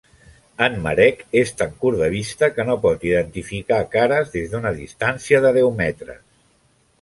En Marek és tan curt de vista que no pot identificar cares des d'una distància de deu metres.